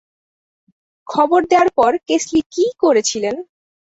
খবর দেয়ার পর কেসলি কী করেছিলেন?